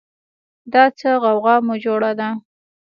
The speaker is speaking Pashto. دا څه غوغا مو جوړه ده